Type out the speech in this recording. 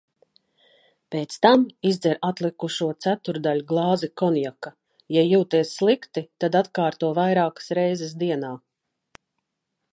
Pēc tam izdzer atlikušo ceturtdaļglāzi konjaka. Ja jūties slikti, tad atkārto vairākas reizes dienā.